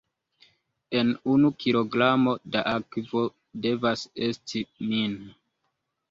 En unu kilogramo da akvo, devas esti min.